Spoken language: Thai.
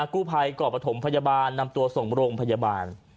กู้ภัยก่อประถมพยาบาลนำตัวส่งโรงพยาบาล